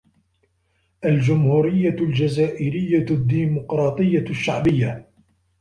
الجمهورية الجزائرية الديمقراطية الشعبية